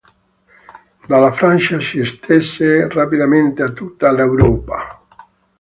Dalla Francia si estese rapidamente a tutta l'Europa.